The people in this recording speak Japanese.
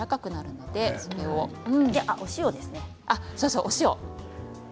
そうそう、お塩。